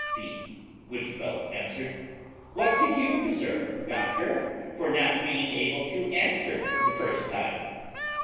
The witty fellow answered, "What do you deserve, doctor, for not being able to answer the first time?